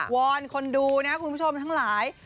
อนคนดูนะครับคุณผู้ชมทั้งหลาย